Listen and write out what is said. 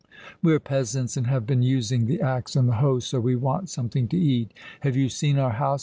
We're peasants, and have been using the axe and the hoe, so we want something to eat. Have you seen our house?